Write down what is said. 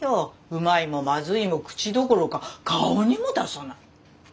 うまいもまずいも口どころか顔にも出さない。